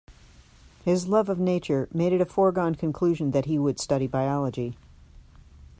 His love of nature made it a foregone conclusion that he would study biology